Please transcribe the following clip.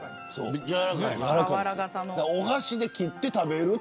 お箸で切って食べる。